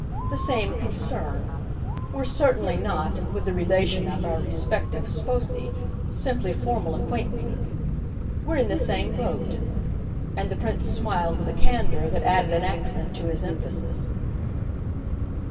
the same 'concern.' We're certainly not, with the relation of our respective sposi, simply formal acquaintances. We're in the same boat" and the Prince smiled with a candour that added an accent to his emphasis.